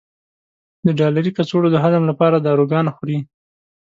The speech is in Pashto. د ډالري کڅوړو د هضم لپاره داروګان خوري.